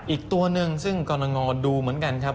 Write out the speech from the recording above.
อีกตัวหนึ่งซึ่งกรณงดูเหมือนกันครับ